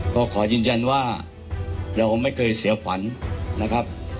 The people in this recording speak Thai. ก็ขอยืนยันว่าเราไม่เคยเสียขวัญนะครับ